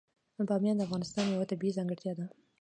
بامیان د افغانستان یوه طبیعي ځانګړتیا ده.